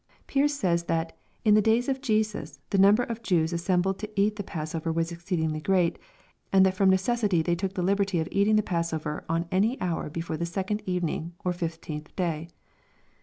2. Pearce says, that " in the days of Jesus, the number of Jews assembled to eat the passover was exceedingly great, and that from necessity they took the liberty of eating the passover on any hour before the second evening, or fifteenth day."